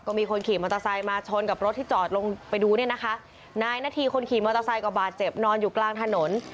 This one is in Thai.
มีคนขี่มอเตอร์ไซค์มาชนกับรถที่จอดลงไปดูเนี่ยนะคะนายนาธีคนขี่มอเตอร์ไซค์ก็บาดเจ็บนอนอยู่กลางถนน